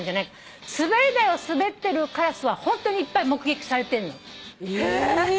滑り台を滑ってるカラスはホントにいっぱい目撃されてる。え！？